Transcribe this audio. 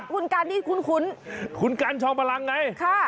คุณกันนี่คุ้นคุณกันจอมพลังไงค่ะ